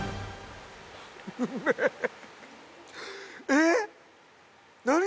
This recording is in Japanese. えっ！？